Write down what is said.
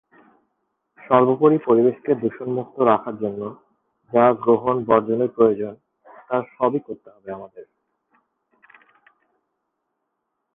সর্বোপরি পরিবেশকে দূষণ্মুক্ত রাখার জন্য যা গ্রহণ বর্জনের প্রয়োজন তার সবই করতে হবে আমাদের।